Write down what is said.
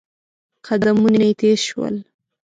قدمونه يې تېز شول.